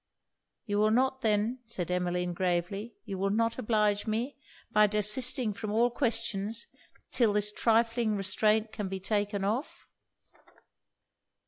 'You will not, then,' said Emmeline, gravely 'you will not oblige me, by desisting from all questions 'till this trifling restraint can be taken off?'